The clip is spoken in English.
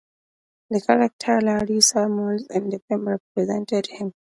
The character "Larry Samuels" in the film represented him.